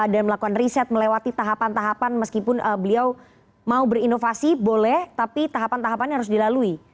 dan melakukan riset melewati tahapan tahapan meskipun beliau mau berinovasi boleh tapi tahapan tahapan harus dilalui